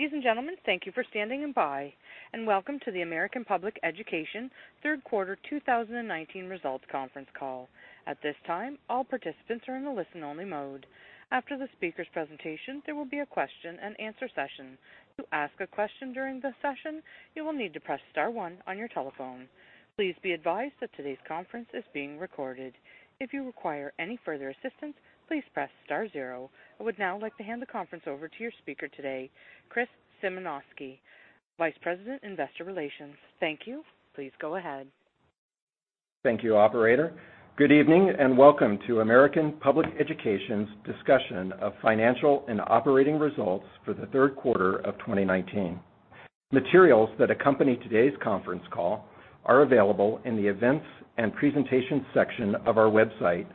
Ladies and gentlemen, thank you for standing by and welcome to the American Public Education third quarter 2019 results conference call. At this time, all participants are in a listen-only mode. After the speaker's presentation, there will be a question and answer session. To ask a question during the session, you will need to press star one on your telephone. Please be advised that today's conference is being recorded. If you require any further assistance, please press star zero. I would now like to hand the conference over to your speaker today, Chris Symanoskie, Vice President, Investor Relations. Thank you. Please go ahead. Thank you, operator. Good evening, and welcome to American Public Education's discussion of financial and operating results for the third quarter of 2019. Materials that accompany today's conference call are available in the events and presentations section of our website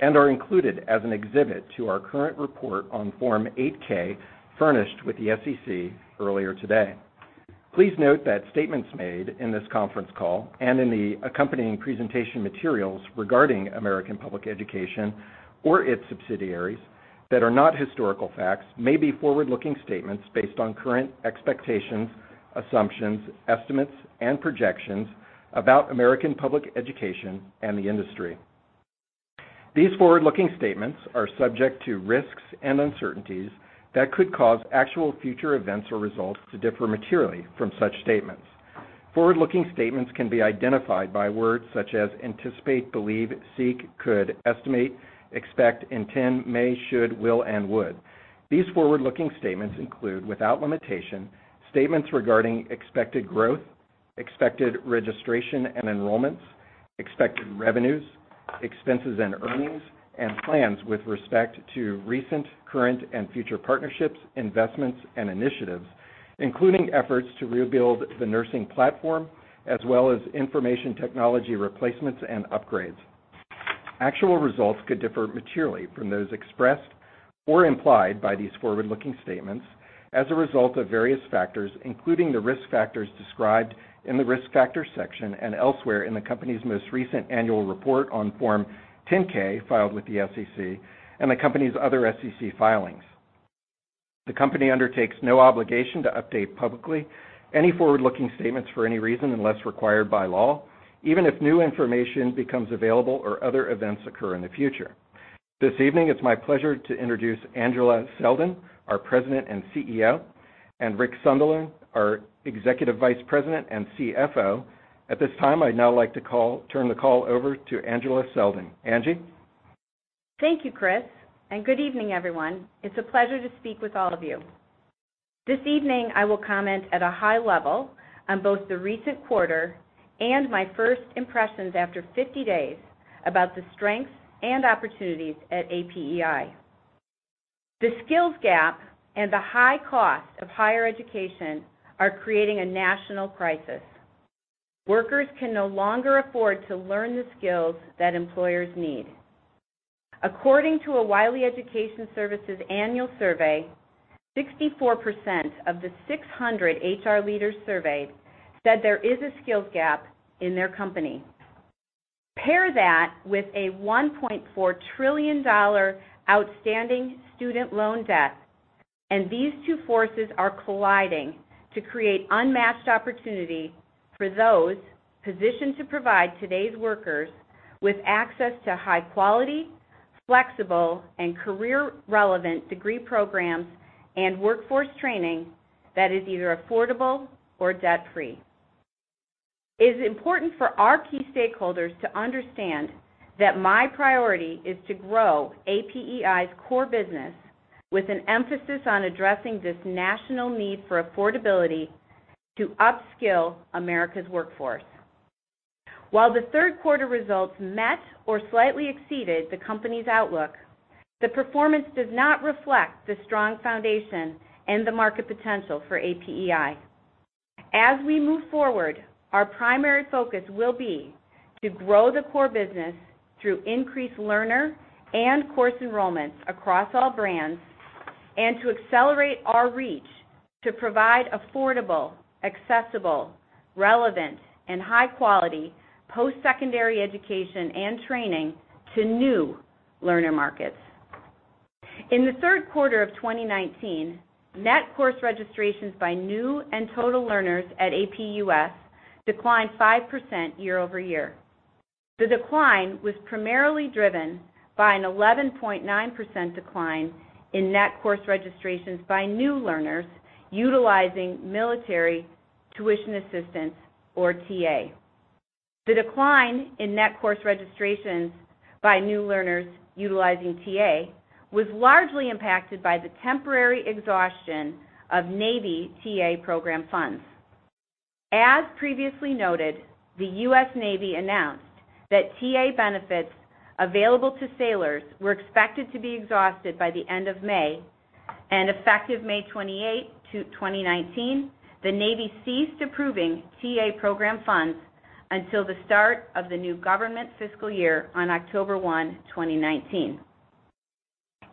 and are included as an exhibit to our current report on Form 8-K furnished with the SEC earlier today. Please note that statements made in this conference call and in the accompanying presentation materials regarding American Public Education or its subsidiaries that are not historical facts may be forward-looking statements based on current expectations, assumptions, estimates, and projections about American Public Education and the industry. These forward-looking statements are subject to risks and uncertainties that could cause actual future events or results to differ materially from such statements. Forward-looking statements can be identified by words such as anticipate, believe, seek, could, estimate, expect, intend, may, should, will, and would. These forward-looking statements include, without limitation, statements regarding expected growth, expected registration and enrollments, expected revenues, expenses, and earnings, and plans with respect to recent, current, and future partnerships, investments, and initiatives, including efforts to rebuild the nursing platform, as well as information technology replacements and upgrades. Actual results could differ materially from those expressed or implied by these forward-looking statements as a result of various factors, including the risk factors described in the Risk Factors section and elsewhere in the company's most recent annual report on Form 10-K filed with the SEC and the company's other SEC filings. The company undertakes no obligation to update publicly any forward-looking statements for any reason unless required by law, even if new information becomes available or other events occur in the future. This evening, it's my pleasure to introduce Angela Selden, our President and CEO, and Rick Sunderland, our Executive Vice President and CFO. At this time, I'd now like to turn the call over to Angela Selden. Angie? Thank you, Chris, and good evening, everyone. It's a pleasure to speak with all of you. This evening, I will comment at a high level on both the recent quarter and my first impressions after 50 days about the strengths and opportunities at APEI. The skills gap and the high cost of higher education are creating a national crisis. Workers can no longer afford to learn the skills that employers need. According to a Wiley Education Services' annual survey, 64% of the 600 HR leaders surveyed said there is a skills gap in their company. Pair that with a $1.4 trillion outstanding student loan debt, and these two forces are colliding to create unmatched opportunity for those positioned to provide today's workers with access to high-quality, flexible, and career-relevant degree programs and workforce training that is either affordable or debt-free. It is important for our key stakeholders to understand that my priority is to grow APEI's core business with an emphasis on addressing this national need for affordability to upskill America's workforce. While the third quarter results met or slightly exceeded the company's outlook, the performance does not reflect the strong foundation and the market potential for APEI. As we move forward, our primary focus will be to grow the core business through increased learner and course enrollments across all brands and to accelerate our reach to provide affordable, accessible, relevant, and high-quality post-secondary education and training to new learner markets. In the third quarter of 2019, net course registrations by new and total learners at APUS declined 5% year-over-year. The decline was primarily driven by an 11.9% decline in net course registrations by new learners utilizing military tuition assistance or TA. The decline in net course registrations by new learners utilizing TA was largely impacted by the temporary exhaustion of Navy TA program funds. As previously noted, the US Navy announced that TA benefits available to sailors were expected to be exhausted by the end of May, and effective May 28th, 2019, the Navy ceased approving TA program funds until the start of the new government fiscal year on October 1, 2019.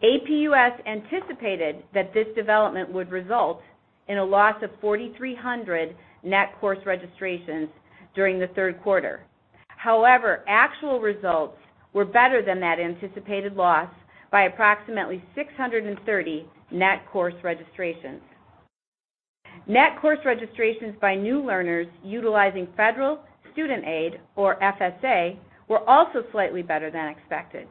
APUS anticipated that this development would result in a loss of 4,300 net course registrations during the third quarter. However, actual results were better than that anticipated loss by approximately 630 net course registrations. Net course registrations by new learners utilizing Federal Student Aid, or FSA, were also slightly better than expected.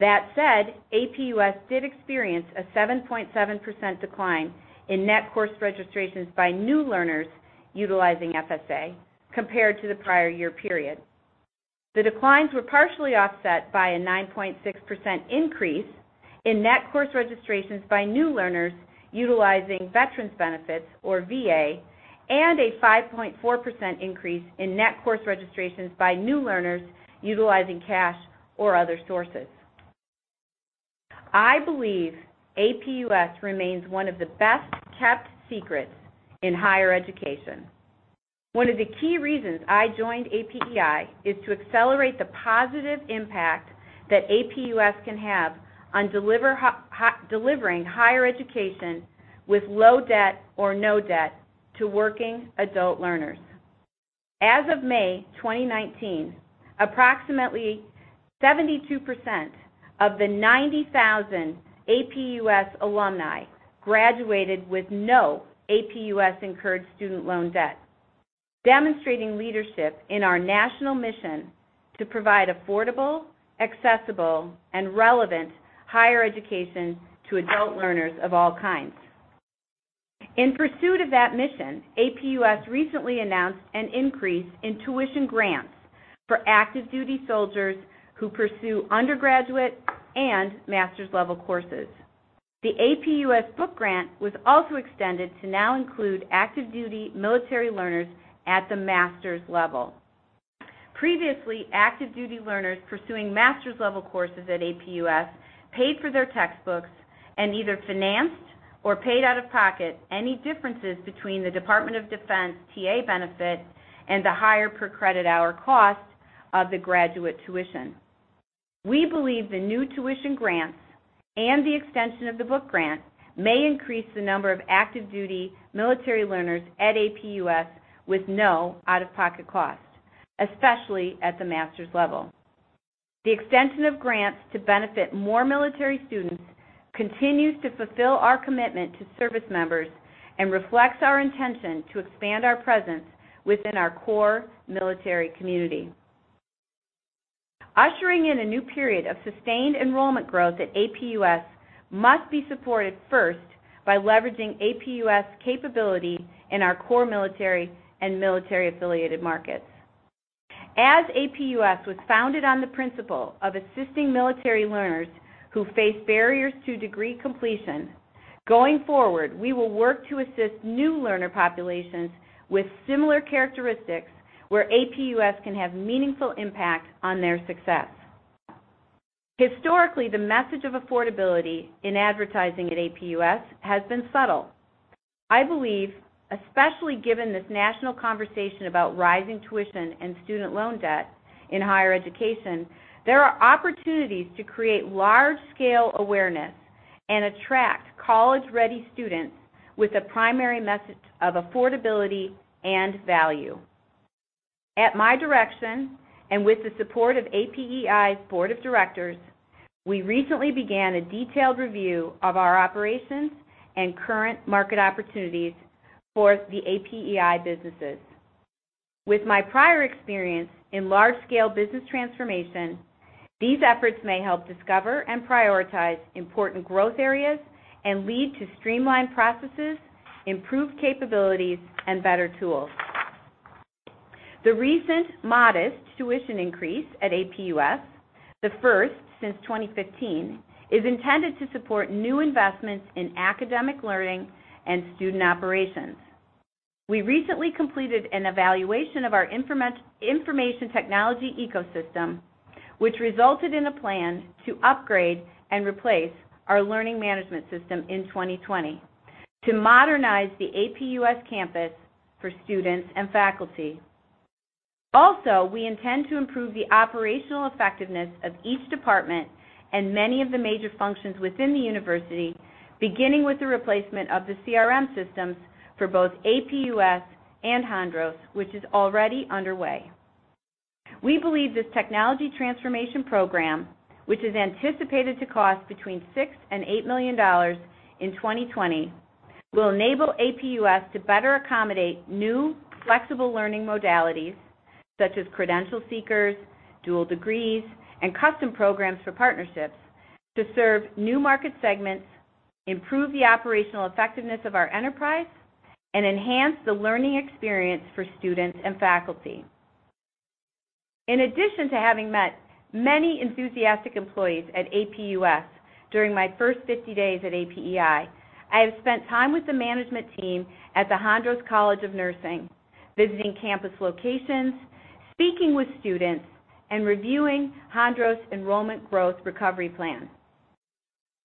That said, APUS did experience a 7.7% decline in net course registrations by new learners utilizing FSA compared to the prior year period. The declines were partially offset by a 9.6% increase in net course registrations by new learners utilizing Veterans Benefits, or VA, and a 5.4% increase in net course registrations by new learners utilizing cash or other sources. I believe APUS remains one of the best-kept secrets in higher education. One of the key reasons I joined APEI is to accelerate the positive impact that APUS can have on delivering higher education with low debt or no debt to working adult learners. As of May 2019, approximately 72% of the 90,000 APUS alumni graduated with no APUS-incurred student loan debt, demonstrating leadership in our national mission to provide affordable, accessible, and relevant higher education to adult learners of all kinds. In pursuit of that mission, APUS recently announced an increase in tuition grants for active duty soldiers who pursue undergraduate and master's level courses. The APUS book grant was also extended to now include active duty military learners at the master's level. Previously active duty learners pursuing master's level courses at APUS paid for their textbooks and either financed or paid out of pocket any differences between the Department of Defense TA benefit and the higher per credit hour cost of the graduate tuition. We believe the new tuition grants and the extension of the book grant may increase the number of active duty military learners at APUS with no out-of-pocket costs, especially at the master's level. The extension of grants to benefit more military students continues to fulfill our commitment to service members and reflects our intention to expand our presence within our core military community. Ushering in a new period of sustained enrollment growth at APUS must be supported first by leveraging APUS capability in our core military and military-affiliated markets. As APUS was founded on the principle of assisting military learners who face barriers to degree completion, going forward, we will work to assist new learner populations with similar characteristics where APUS can have meaningful impact on their success. Historically, the message of affordability in advertising at APUS has been subtle. I believe, especially given this national conversation about rising tuition and student loan debt in higher education, there are opportunities to create large-scale awareness and attract college-ready students with a primary message of affordability and value. At my direction, and with the support of APEI's board of directors, we recently began a detailed review of our operations and current market opportunities for the APEI businesses. With my prior experience in large-scale business transformation, these efforts may help discover and prioritize important growth areas and lead to streamlined processes, improved capabilities, and better tools. The recent modest tuition increase at APUS, the first since 2015, is intended to support new investments in academic learning and student operations. We recently completed an evaluation of our information technology ecosystem, which resulted in a plan to upgrade and replace our learning management system in 2020 to modernize the APUS campus for students and faculty. We intend to improve the operational effectiveness of each department and many of the major functions within the university, beginning with the replacement of the CRM systems for both APUS and Hondros, which is already underway. We believe this technology transformation program, which is anticipated to cost between $6 million and $8 million in 2020, will enable APUS to better accommodate new flexible learning modalities, such as credential seekers, dual degrees, and custom programs for partnerships to serve new market segments, improve the operational effectiveness of our enterprise, and enhance the learning experience for students and faculty. In addition to having met many enthusiastic employees at APUS during my first 50 days at APEI, I have spent time with the management team at the Hondros College of Nursing, visiting campus locations, speaking with students, and reviewing Hondros' enrollment growth recovery plan.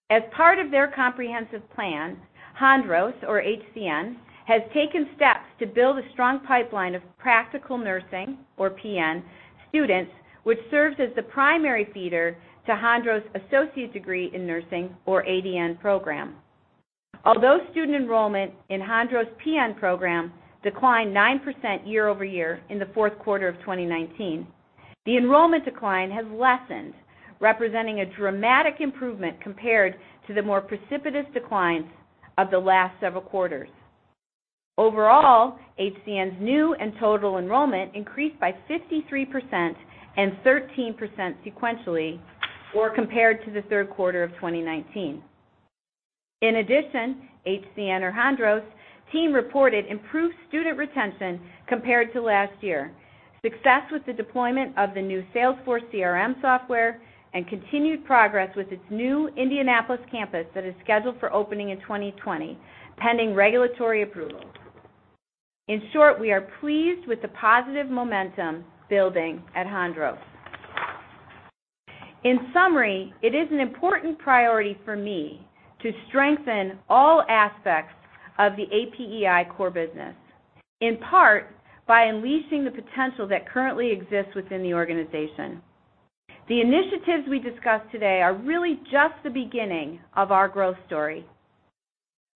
As part of their comprehensive plan, Hondros, or HCN, has taken steps to build a strong pipeline of practical nursing, or PN, students, which serves as the primary feeder to Hondros' associate degree in nursing, or ADN program. Although student enrollment in Hondros' PN program declined 9% year-over-year in the fourth quarter of 2019, the enrollment decline has lessened, representing a dramatic improvement compared to the more precipitous declines of the last several quarters. Overall, HCN's new and total enrollment increased by 53% and 13% sequentially or compared to the third quarter of 2019. HCN or Hondros' team reported improved student retention compared to last year, success with the deployment of the new Salesforce CRM software, and continued progress with its new Indianapolis campus that is scheduled for opening in 2020, pending regulatory approval. In short, we are pleased with the positive momentum building at Hondros. In summary, it is an important priority for me to strengthen all aspects of the APEI core business, in part, by unleashing the potential that currently exists within the organization. The initiatives we discussed today are really just the beginning of our growth story.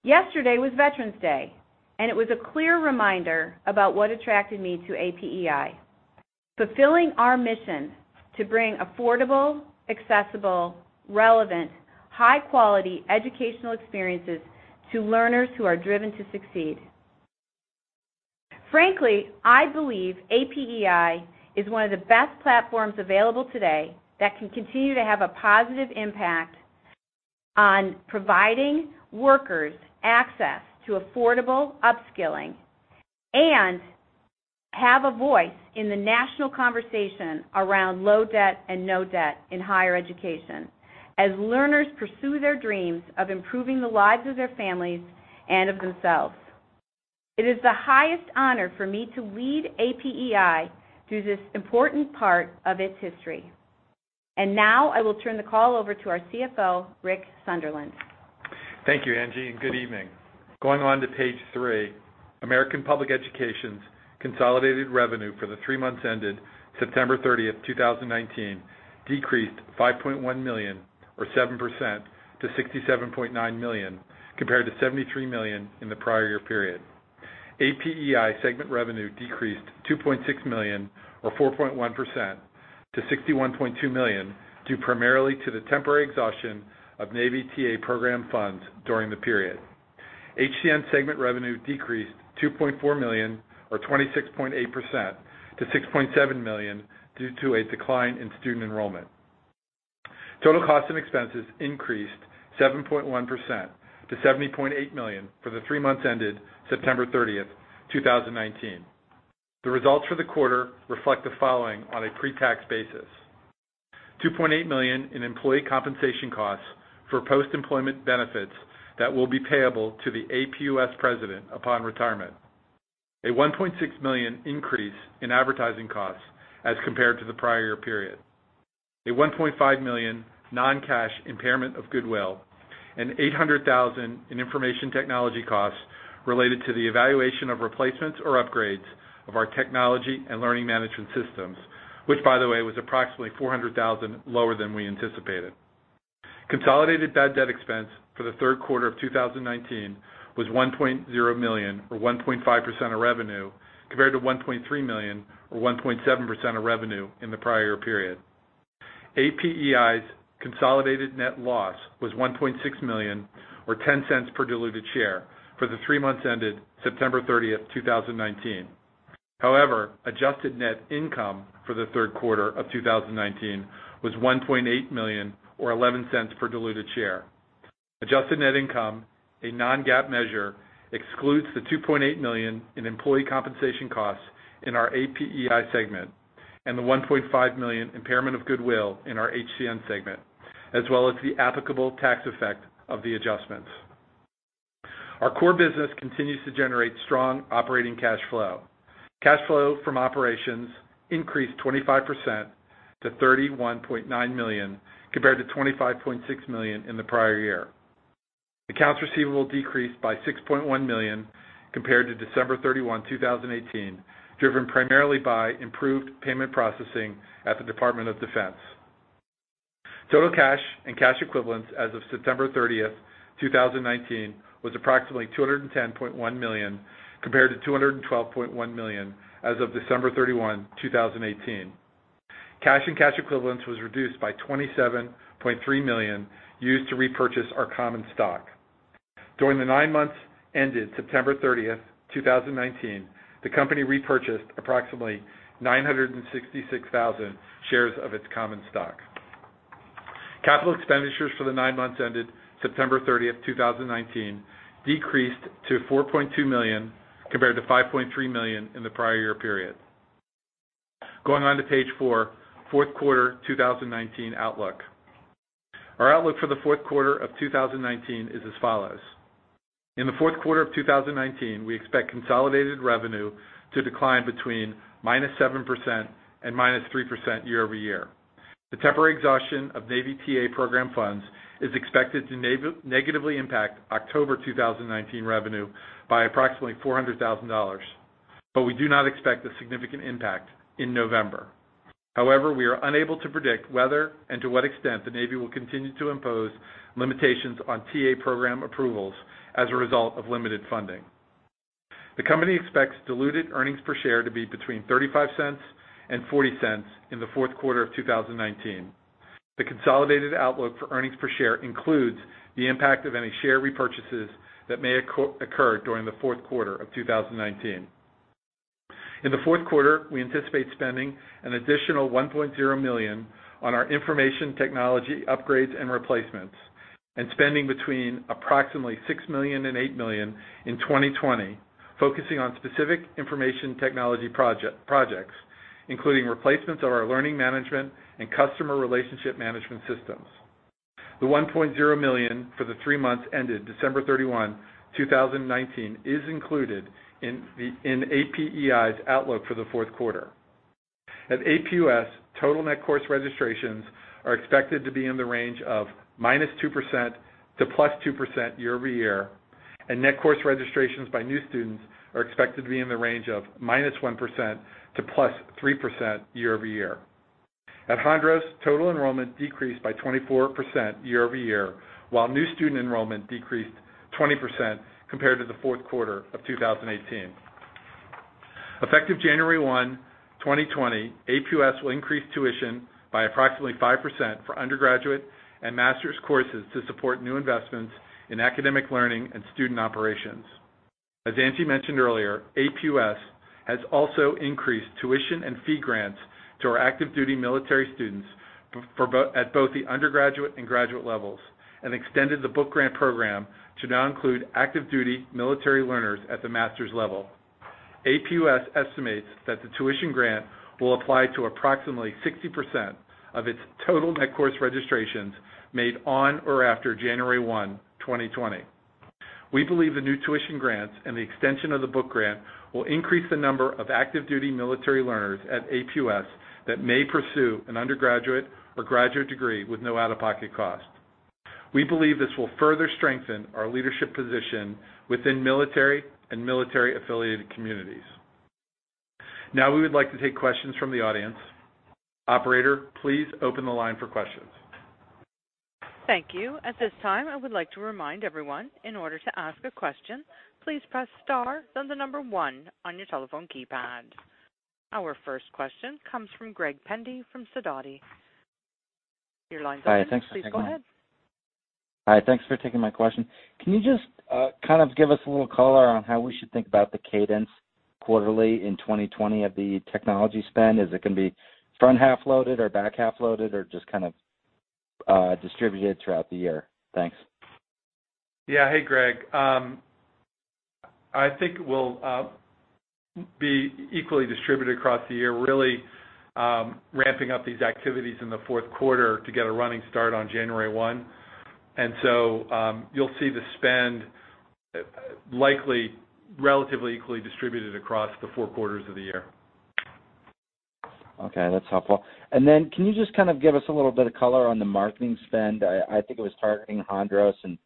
Yesterday was Veterans Day, and it was a clear reminder about what attracted me to APEI. Fulfilling our mission to bring affordable, accessible, relevant, high-quality educational experiences to learners who are driven to succeed. Frankly, I believe APEI is one of the best platforms available today that can continue to have a positive impact on providing workers access to affordable upskilling and have a voice in the national conversation around low debt and no debt in higher education, as learners pursue their dreams of improving the lives of their families and of themselves. It is the highest honor for me to lead APEI through this important part of its history. Now I will turn the call over to our CFO, Rick Sunderland. Thank you, Angie, good evening. Going on to page three, American Public Education's consolidated revenue for the three months ended September 30th, 2019, decreased $5.1 million or 7% to $67.9 million compared to $73 million in the prior year period. APEI segment revenue decreased $2.6 million or 4.1% to $61.2 million due primarily to the temporary exhaustion of Navy TA program funds during the period. HCN segment revenue decreased $2.4 million or 26.8% to $6.7 million due to a decline in student enrollment. Total costs and expenses increased 7.1% to $70.8 million for the three months ended September 30th, 2019. The results for the quarter reflect the following on a pre-tax basis: $2.8 million in employee compensation costs for post-employment benefits that will be payable to the APUS president upon retirement. A $1.6 million increase in advertising costs as compared to the prior year period. A $1.5 million non-cash impairment of goodwill, and $800,000 in information technology costs related to the evaluation of replacements or upgrades of our technology and learning management systems, which by the way, was approximately $400,000 lower than we anticipated. Consolidated bad debt expense for the third quarter of 2019 was $1.0 million or 1.5% of revenue compared to $1.3 million or 1.7% of revenue in the prior period. APEI's consolidated net loss was $1.6 million or $0.10 per diluted share for the three months ended September 30th, 2019. Adjusted net income for the third quarter of 2019 was $1.8 million or $0.11 per diluted share. Adjusted net income, a non-GAAP measure, excludes the $2.8 million in employee compensation costs in our APEI segment and the $1.5 million impairment of goodwill in our HCN segment, as well as the applicable tax effect of the adjustments. Our core business continues to generate strong operating cash flow. Cash flow from operations increased 25% to $31.9 million, compared to $25.6 million in the prior year. Accounts receivable decreased by $6.1 million compared to December 31, 2018, driven primarily by improved payment processing at the Department of Defense. Total cash and cash equivalents as of September 30, 2019, was approximately $210.1 million, compared to $212.1 million as of December 31, 2018. Cash and cash equivalents was reduced by $27.3 million used to repurchase our common stock. During the nine months ended September 30, 2019, the company repurchased approximately 966,000 shares of its common stock. Capital expenditures for the nine months ended September 30, 2019, decreased to $4.2 million compared to $5.3 million in the prior year period. Going on to page four, fourth quarter 2019 outlook. Our outlook for the fourth quarter of 2019 is as follows. In the fourth quarter of 2019, we expect consolidated revenue to decline between -7% and -3% year-over-year. The temporary exhaustion of Navy TA program funds is expected to negatively impact October 2019 revenue by approximately $400,000, but we do not expect a significant impact in November. We are unable to predict whether and to what extent the Navy will continue to impose limitations on TA program approvals as a result of limited funding. The company expects diluted earnings per share to be between $0.35 and $0.40 in the fourth quarter of 2019. The consolidated outlook for earnings per share includes the impact of any share repurchases that may occur during the fourth quarter of 2019. In the fourth quarter, we anticipate spending an additional $1.0 million on our information technology upgrades and replacements, and spending between approximately $6 million and $8 million in 2020, focusing on specific information technology projects, including replacements of our learning management and customer relationship management systems. The $1.0 million for the three months ended December 31, 2019, is included in APEI's outlook for the fourth quarter. At APUS, total net course registrations are expected to be in the range of -2% to +2% year-over-year, and net course registrations by new students are expected to be in the range of -1% to +3% year-over-year. At Hondros, total enrollment decreased by 24% year-over-year, while new student enrollment decreased 20% compared to the fourth quarter of 2018. Effective January 1, 2020, APUS will increase tuition by approximately 5% for undergraduate and master's courses to support new investments in academic learning and student operations. As Angie mentioned earlier, APUS has also increased tuition and fee grants to our active duty military students at both the undergraduate and graduate levels, and extended the book grant program to now include active duty military learners at the master's level. APUS estimates that the tuition grant will apply to approximately 60% of its total net course registrations made on or after January 1, 2020. We believe the new tuition grants and the extension of the book grant will increase the number of active duty military learners at APUS that may pursue an undergraduate or graduate degree with no out-of-pocket cost. We believe this will further strengthen our leadership position within military and military-affiliated communities. Now we would like to take questions from the audience. Operator, please open the line for questions. Thank you. At this time, I would like to remind everyone, in order to ask a question, please press star, then the number one on your telephone keypad. Our first question comes from Greg Pendy from Sidoti. Your line's open. Hi. Thanks. Please go ahead. Hi. Thanks for taking my question. Can you just give us a little color on how we should think about the cadence quarterly in 2020 of the technology spend? Is it going to be front-half loaded or back-half loaded, or just distributed throughout the year? Thanks. Yeah. Hey, Greg. I think it will be equally distributed across the year, really ramping up these activities in the fourth quarter to get a running start on January 1. You'll see the spend likely relatively equally distributed across the four quarters of the year. Okay. That's helpful. Then, can you just give us a little bit of color on the marketing spend? I think it was targeting Hondros, and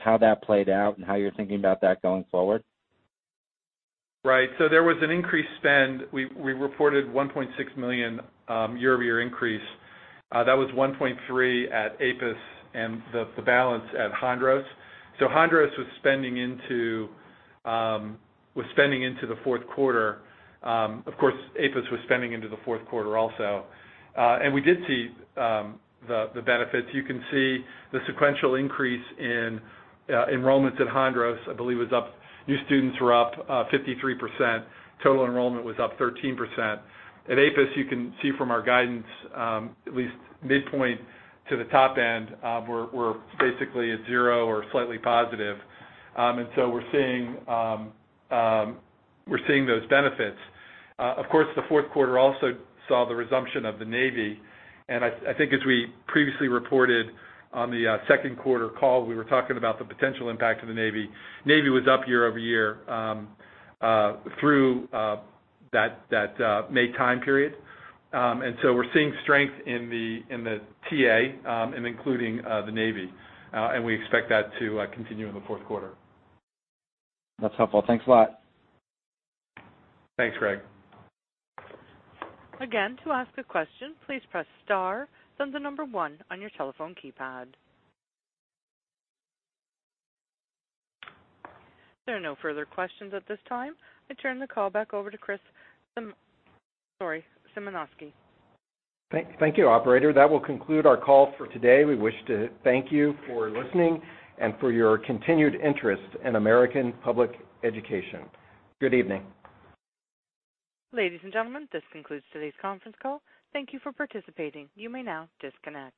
how that played out and how you're thinking about that going forward. Right. There was an increased spend. We reported $1.6 million year-over-year increase. That was $1.3 at APUS and the balance at Hondros. Hondros was spending into the fourth quarter. APUS was spending into the fourth quarter also. We did see the benefits. You can see the sequential increase in enrollments at Hondros, I believe was up, new students were up 53%, total enrollment was up 13%. At APUS, you can see from our guidance, at least midpoint to the top end, we're basically at zero or slightly positive. We're seeing those benefits. The fourth quarter also saw the resumption of the Navy. I think as we previously reported on the second quarter call, we were talking about the potential impact of the Navy. Navy was up year-over-year through that May time period. We're seeing strength in the TA, including the Navy. We expect that to continue in the fourth quarter. That's helpful. Thanks a lot. Thanks, Greg. Again, to ask a question, please press star, then the number one on your telephone keypad. There are no further questions at this time. I turn the call back over to Chris Symanoskie. Thank you, operator. That will conclude our call for today. We wish to thank you for listening and for your continued interest in American Public Education. Good evening. Ladies and gentlemen, this concludes today's conference call. Thank you for participating. You may now disconnect.